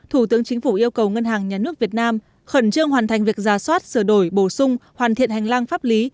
thủ tướng chính phủ yêu cầu ngân hàng nhà nước việt nam khẩn trương hoàn thành việc ra soát sửa đổi bổ sung hoàn thiện hành lang pháp lý